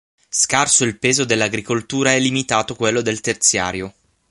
Scarso il peso dell'agricoltura e limitato quello del terziario.